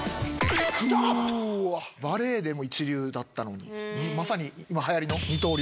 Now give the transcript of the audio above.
バレーでも一流だったのにまさに今はやりの二刀流。